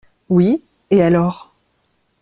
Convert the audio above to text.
Oui, et alors?